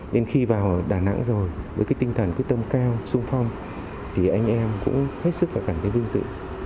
nên khi vào đà nẵng rồi với cái tinh thần quyết tâm cao sung phong thì anh em cũng hết sức là cảm thấy vinh dự